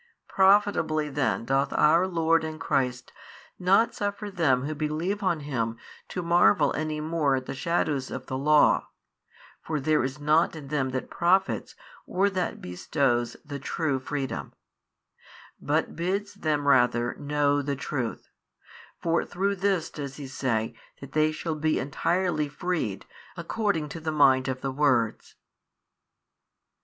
Profitably then doth our Lord and Christ not suffer them who believe on Him to marvel any more at the shadows of the law (for there is nought in them that profits or that bestows the true freedom) but bids them rather know the Truth; for through this does He say that they shall be entirely freed, according to the mind of the words.